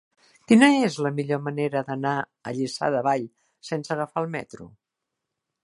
Quina és la millor manera d'anar a Lliçà de Vall sense agafar el metro?